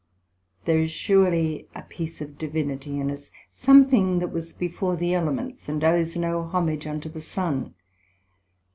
There is surely a piece of Divinity in us, something that was before the Elements, and owes no homage unto the Sun.